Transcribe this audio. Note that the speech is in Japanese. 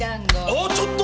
ああっちょっと！